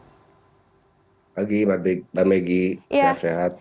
selamat pagi mbak vicky mbak maggie sehat sehat